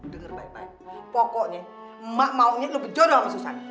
dengar baik baik pokoknya emak maunya lo berjodoh sama susah